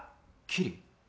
キリ？